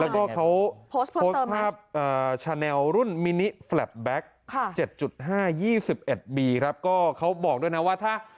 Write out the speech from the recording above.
ล่ะแล้วก็เขาท่อสคฟาต์ชาแนลรุ่นมินิแบปแบ็คเก่าเขาบอกด้วยนะว่าถ้า